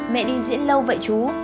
mẹ đi diễn lâu vậy chú